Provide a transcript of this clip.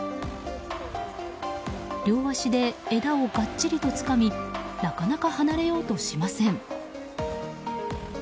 両足で枝をがっちりとつかみなかなか離れようとしません。